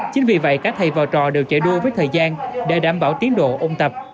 chính vì vậy các thầy và trò đều chạy đua với thời gian để đảm bảo tiến độ ôn tập